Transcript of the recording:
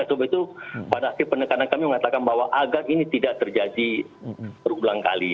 oleh sebab itu pada akhir penekanan kami mengatakan bahwa agar ini tidak terjadi berulang kali